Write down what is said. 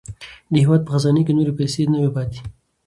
د هېواد په خزانې کې نورې پیسې نه وې پاتې.